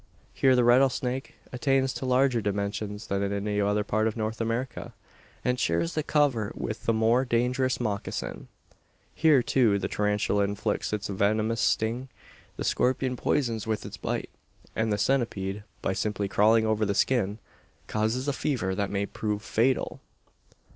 Here the rattlesnake attains to larger dimensions than in any other part of North America, and shares the covert with the more dangerous moccasin. Here, too, the tarantula inflicts its venomous sting; the scorpion poisons with its bite; and the centipede, by simply crawling over the skin, causes a fever that may prove fatal!